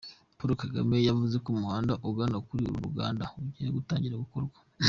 Paul Kagame yavuze ko umuhanda ugana kuri uru ruganda ugiye gutangira gukorwa.